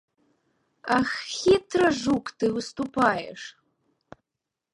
Ах, хітра, жук, ты выступаеш.